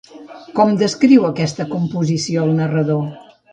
Com descriu aquesta composició el narrador?